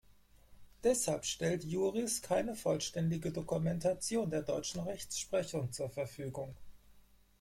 Deshalb stellt Juris keine vollständige Dokumentation der deutschen Rechtsprechung zur Verfügung.